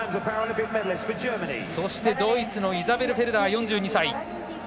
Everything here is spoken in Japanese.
そしてドイツのイザベル・フェルダー。